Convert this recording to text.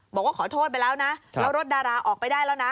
บอกว่าขอโทษไปแล้วนะแล้วรถดาราออกไปได้แล้วนะ